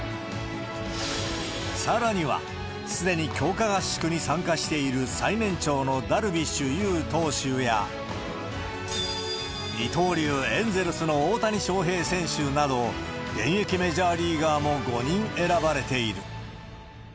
さらには、すでに強化合宿に参加している最年長のダルビッシュ有投手や、二刀流、エンゼルスの大谷翔平選手など、現役メジャーリーガーも５人選ばれている。